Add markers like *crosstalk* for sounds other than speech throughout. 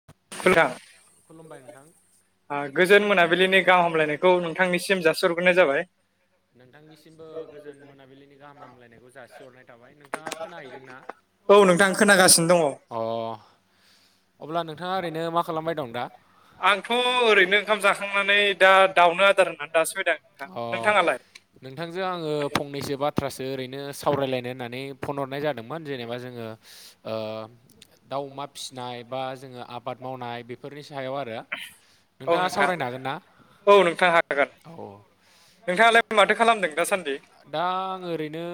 *unintelligible* खुलुमबाय नोंथां। आ गोजोन मोनाबिलिनि गाहाम हामलायनायखौ नोंथांनिसिम जास'ग्रोनाय जाबाय। नोंथांनिसिमबो गोजोन मोनाबिलिनि गाहाम हामलायनायखौ जासिहरनाय थाबाय नोंथाङा खोनाहैदों ना औ नोंथां खोनागासिनो दङ अ अब्ला नोंथाङा ओरैनो मा खालामबाय दं दा आंथ' ओरैनो ओंखाम जाखांनानै दा दाउनो आदार होननानै दासो फायदों आं अ नोंथांजों आङो फंनैसो बा बाथ्रासो ओरैनो सावरायलायनो होननानै फन हरनाय जादोंमोन जेनेबा जोङो ओ दाउ अमा फिसिनाय बा जोङो आबाद मावनाय बेफोरनि सायाव आरो औ नोंथाङा नोंथां सावरायनो हागोन ना? औ नोंथां हागोन औ नोंथाङालाय माथो खालामदों दासान्दि दा आं ओरैनो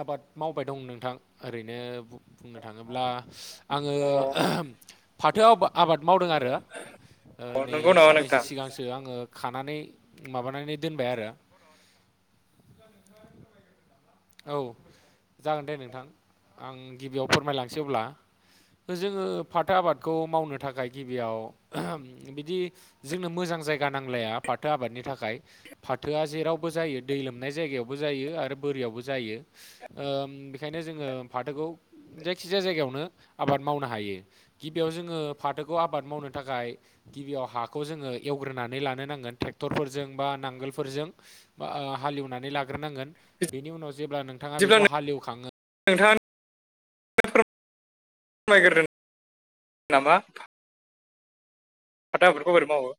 आबाद मावबाय दं नोंथां ओरैनो बुंनो थाङोब्ला आङो अ फाथो आब आबाद मावदों आरो ओ अ नै नंगौ नामा साननैसो नोंथां सिगां सो आङो खानानै माबानानै दोनबाय आरो *unintelligible* औ जागोन दे नोंथां आं गिबियाव फोरमायलांसै अब्ला जोङो फाथो आबादखौ मावनो थाखाय गिबियाव बिदि जोंनो मोजां जायगा नांलाया फाथो आबादनि थाखाय फाथोआ जेरावबो जायो दै लोमनाय जायगायावबो जायो आरो बोरियावबो जायो जायो ओ बेखायनो जोङो फाथोखौ जायखिजाया जायगायावनो आबाद मावनो हायो गिबियाव जोङो फाथोखौ आबाद मावनो थाखाय गिबियाव हाखौ जोङो एवग्रोनानै लानो नांगोन ट्रेक्टरफोरजों बा नांगोलफोरजों बा हालेवनानै लाग्रोनांगोन बेनि उनाव जेब्ला नोंथाङा बेखौ हालेवखाङो नोंथाङा फोरमायग्रो नामा फाथो आबाखौ बोरै मावो